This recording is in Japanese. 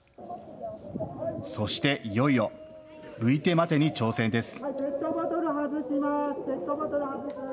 そしていよいよういてまてに挑戦です。